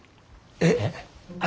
えっ？